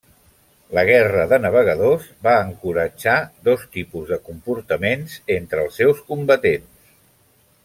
La guerra de navegadors va encoratjar dos tipus de comportaments entre els seus combatents.